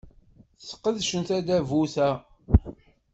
Sqedcen tadabut-a.